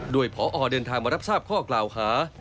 โดยพอเดินทางมารับทราบข้อกล่าวหา